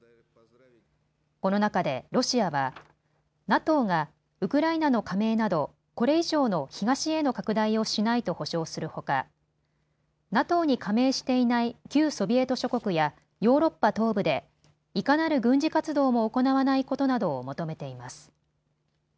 この中でロシアはＮＡＴＯがウクライナの加盟などこれ以上の東への拡大をしないと保証するほかＮＡＴＯに加盟していない旧ソビエト諸国やヨーロッパ東部でいかなる軍事活動も行わないことなどを求めています。